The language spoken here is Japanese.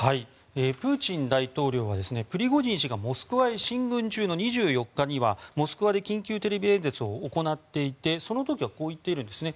プーチン大統領はプリゴジン氏がモスクワへ進軍中の２４日にはモスクワで緊急テレビ演説を行っていてその時はこう言っているんですね。